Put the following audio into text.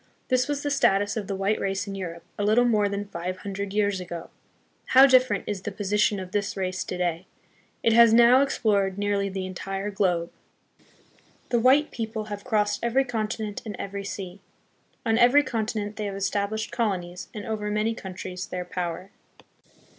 This was the status of the white race in Europe a little more than five hundred years ago. How different is the posi tion of this race to day! It has now explored nearly the entire globe. The white people have crossed every con tinent and every sea. On every continent they, have estab lished colonies and over many countries their power.